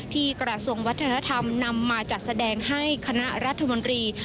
กระทรวงวัฒนธรรมนำมาจัดแสดงให้คณะรัฐมนตรี